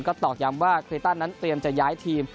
ก็ตอกย้ำว่าคลิตันนั้นเตรียมจะย้ายทีม